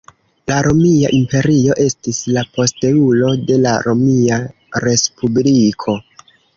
La romia imperio estis la posteulo de la Romia Respubliko.